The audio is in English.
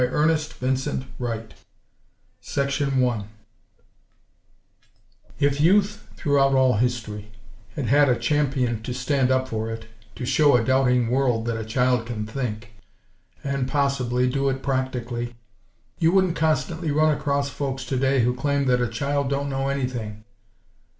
Los Angeles, California February, 1939 I If Youth, throughout all history, had had a champion to stand up for it; to show a doubting world that a child can think; and, possibly, do it practically; you wouldn't constantly run across folks today who claim that "a child don't know anything."